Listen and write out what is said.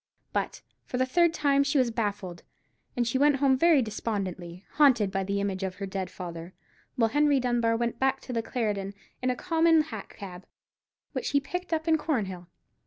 But, for the third time, she was baffled; and she went home very despondently, haunted by the image of her dead father; while Henry Dunbar went back to the Clarendon in a common hack cab, which he picked up in Cornhill.